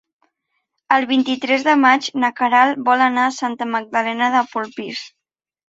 El vint-i-tres de maig na Queralt vol anar a Santa Magdalena de Polpís.